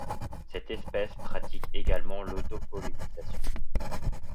Cette espèce pratique également l'autopollinisation.